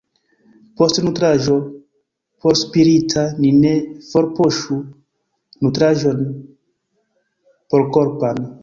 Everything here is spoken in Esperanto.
Post nutraĵo porspirita ni ne forpuŝu nutraĵon porkorpan.